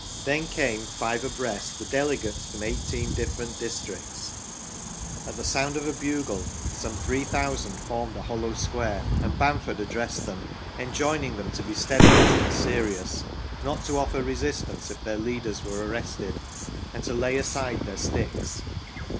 Then came, five abreast, the delegates from eighteen different districts. At the sound of a bugle, some 3000 formed a hollow square and Bamford 'addressed them, enjoining them to be steadfast and serious, not to offer resistance if their leaders were ar rested, and to lay aside their sticks.